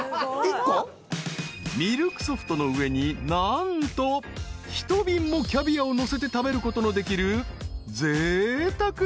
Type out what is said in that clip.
［ミルクソフトの上に何と一瓶もキャビアをのせて食べることのできる］